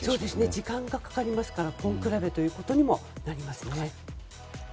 時間がかかりますから根比べということにもなりますね。